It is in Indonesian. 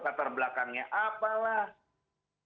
latar belakangnya apalah